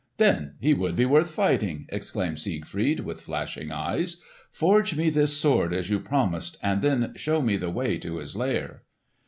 "Then he would be worth fighting!" exclaimed Siegfried with flashing eyes. "Forge me this sword as you promised, and then show me the way to his lair!"